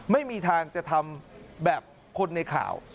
ไม่มีทางจะทำแบบคนในข่าว